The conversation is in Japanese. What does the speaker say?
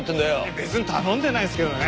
別に頼んでないですけどね。